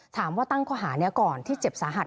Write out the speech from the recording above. ถามว่าตั้งข้อหาเนี่ยก่อนที่เจ็บสาหัส